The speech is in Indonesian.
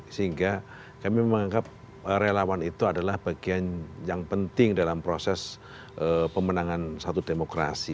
sehingga kami menganggap relawan itu adalah bagian yang penting dalam proses pemenangan satu demokrasi